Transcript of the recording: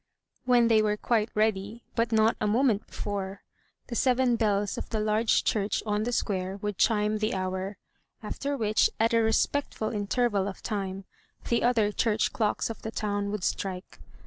When they were quite ready, but not a moment before, the seven bells of the large church on the square would chime the hour; after which, at a respectful interval of time, the other church clocks of the town would strike.